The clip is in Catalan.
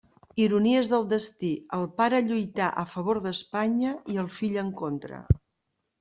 Ironies del destí, el pare lluità a favor d'Espanya i el fill en contra.